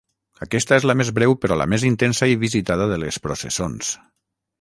Aquesta és la més breu però la més intensa i visitada de les processons.